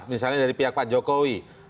misalnya dari pihak pak jokowi